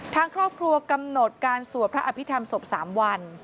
ทางครอบครัวกำหนดการสวดพระอภิษฐรรมศพ๓วัน